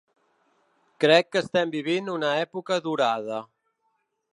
Crec que estem vivint una època durada.